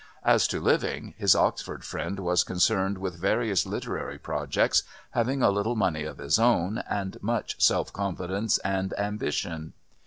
As to living, his Oxford friend was concerned with various literary projects, having a little money of his own, and much self confidence and ambition.